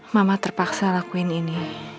mama terpaksa lakuin ini